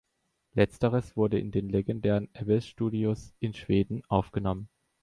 Letzteres wurde in den legendären Abyss Studios in Schweden aufgenommen.